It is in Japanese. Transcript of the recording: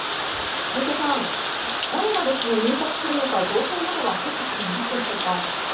小池さん、誰が入閣するのか情報などは入ってきていますでしょうか？